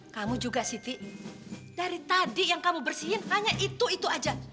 kamu juga city dari tadi yang kamu bersihin hanya itu itu aja